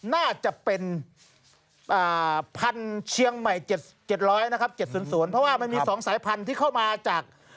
น่าจะเป็นพันธุ์เชียงใหม่๗๐๐นะครับ๗๐๐เพราะว่ามันมี๒สายพันธุ์ที่เข้ามาจาก